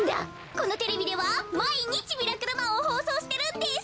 このテレビではまいにち「ミラクルマン」をほうそうしてるんです。